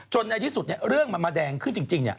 ในที่สุดเรื่องมันมาแดงขึ้นจริง